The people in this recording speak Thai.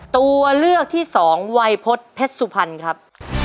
ตัวเลือกที่สองวัยพฤษเพชรสุพรรณครับ